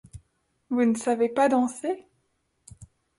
Vous ne savez pas danser ?